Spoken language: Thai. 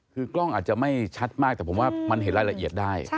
คือกล้องอาจจะไม่ชัดมากแต่ผมว่ามันเห็นรายละเอียดได้